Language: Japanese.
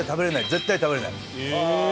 絶対食べられない。